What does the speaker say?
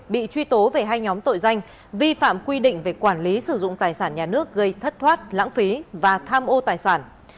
bị truy tố về hai nhóm tội danh vi phạm quy định về quản lý sử dụng tài sản nhà nước gây thất thoát lãng phí và tham ô tài sản